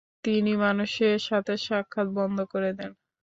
তিনি মানুষের সাথে সাক্ষাৎ বন্ধ করে দেন।